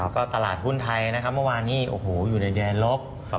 ก็ตลาดหุ้นไทยนะครับเมื่อวานนี้โอ้โหอยู่ในแดนลบ